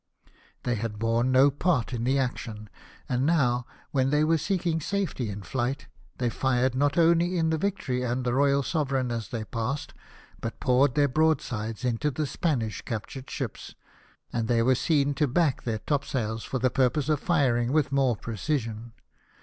They had borne no part in the action ; and now, when they were seeking safety in flight, they fired not only into the Victory and Royal Sovereign as they passed, but poured their broadsides into the Spanish captured ships ; and they were seen to back their top sails for the purpose of firing with more precision.